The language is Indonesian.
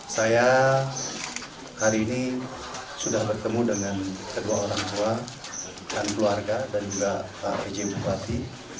saya hari ini sudah bertemu dengan kedua orang tua dan keluarga dan juga pak pj bupati